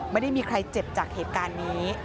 ไม่ได้มีใครเจ็บจากเหตุการณ์นี้